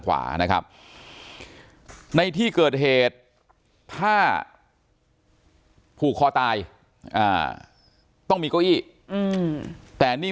ขวานะครับในที่เกิดเหตุถ้าผูกคอตายต้องมีเก้าอี้แต่นี่